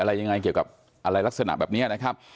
อะไรยังไงเกี่ยวกับอะไรลักษณะแบบนี้นะครับ